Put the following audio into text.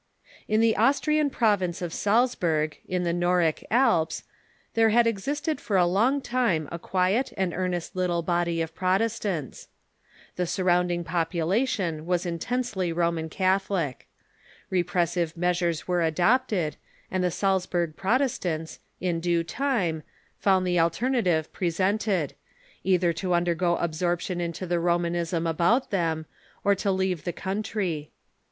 In the Austrian province of Salzburg, in the Noric Alps, there had existed for a long time a quiet and earnest little body of Protestants. The surrounding population Pro^testaifts ^^'^^ intensely Roman Catholic. Repressive meas ures were adopted, and the Salzburg Protestants, in due time, found the alternative presented — either to undergo absorption into the Romanism about them, or to leave the coun try.